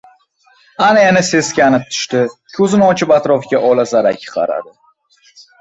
Ana, yana seskanib tushdi. Ko‘zini ochib, atrofga ola- zarak qaradi.